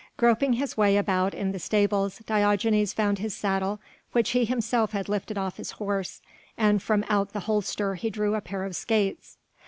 Groping his way about in the stables Diogenes found his saddle which he himself had lifted off his horse, and from out the holster he drew a pair of skates.